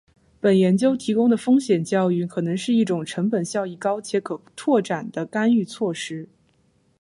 本研究提供的风险教育可能是一种成本效益高且可扩展的干预措施